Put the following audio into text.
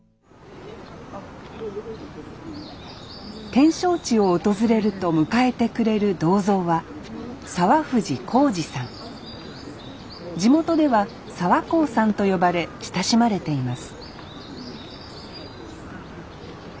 展勝地を訪れると迎えてくれる銅像は地元では澤幸さんと呼ばれ親しまれています